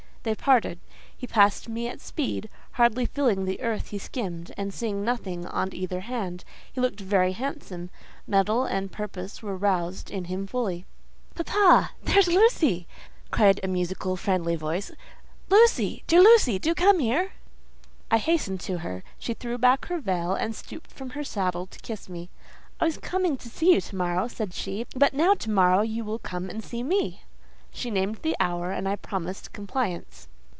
They parted. He passed me at speed, hardly feeling the earth he skimmed, and seeing nothing on either hand. He looked very handsome; mettle and purpose were roused in him fully. "Papa, there is Lucy!" cried a musical, friendly voice. "Lucy, dear Lucy—do come here!" I hastened to her. She threw back her veil, and stooped from her saddle to kiss me. "I was coming to see you to morrow," said she; "but now to morrow you will come and see me." She named the hour, and I promised compliance.